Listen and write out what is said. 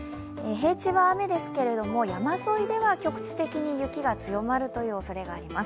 平地は雨ですけど、山沿いでは局地的に雪が強まるおそれがあります。